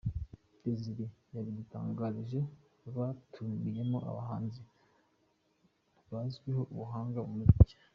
Desire yabidutangarije, batumiyemo abahanzi bazwiho ubuhanga mu muziki .